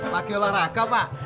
lagi olahraga pak